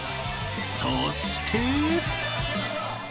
そして］